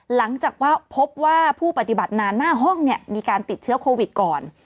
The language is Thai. หลังจากว่าพบว่าผู้ปฏิบัติงานหน้าห้องเนี่ยมีการติดเชื้อโควิดก่อน